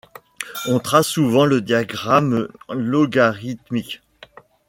On trace souvent le diagramme logarithmique.